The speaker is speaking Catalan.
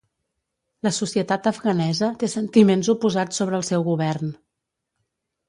La societat afganesa té sentiments oposats sobre el seu govern.